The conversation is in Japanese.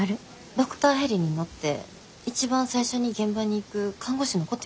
ドクターヘリに乗って一番最初に現場に行く看護師のことやねんけど。